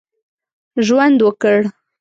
ژوند وکړ.